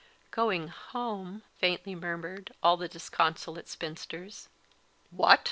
"Going home!" faintly murmured the disconsolate spinsters. "What!